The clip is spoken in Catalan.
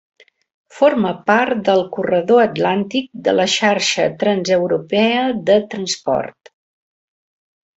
Forma part del Corredor Atlàntic de la Xarxa Transeuropea de Transport.